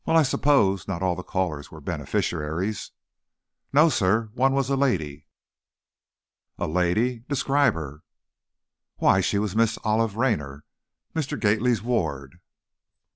I suppose not all the callers were beneficiaries?" "No, sir. One was a a lady." "A lady? Describe her." "Why, she was Miss Olive Raynor, Mr. Gately's ward."